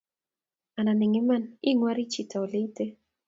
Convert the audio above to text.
Anan eng iman ingwari chito oleite